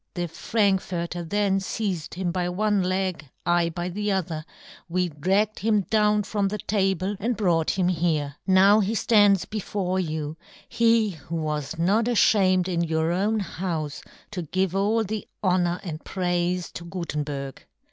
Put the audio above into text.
' The Frankforter then " feized him by one leg, I by the " other, we dragged him down from " the table and brought him here. " Now he ftands before you, he who " was not afhamed in your own " houfe to give all the honour and " praife to Gutenberg."